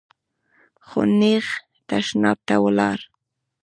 خو نېغ تشناب ته ولاړ .